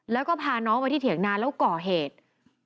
แล้วก็พาน้องไปที่เถียงนาแล้วก่อเหตุ